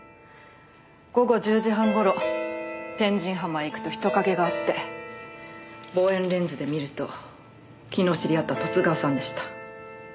午後１０時半頃天神浜へ行くと人影があって望遠レンズで見ると昨日知り合った十津川さんでした。